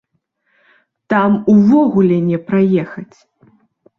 Там увогуле не праехаць!